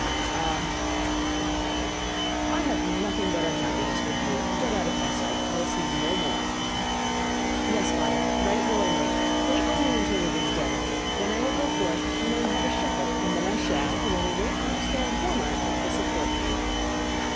'Ah,' said the father, 'I have nothing but unhappiness with you. Go out of my sight. I will see you no more.' 'Yes, father, right willingly, wait only until it is day. Then will I go forth and learn how to shudder, and then I shall, at any rate, understand one art which will support me.